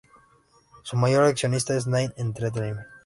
Su mayor accionista es Nine Entertainment.